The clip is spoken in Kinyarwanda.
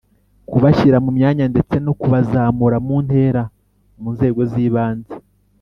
kubashyira mu myanya ndetse no kubazamura mu ntera Mu nzego z ibanze